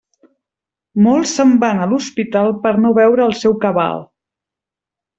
Molts se'n van a l'hospital per no veure el seu cabal.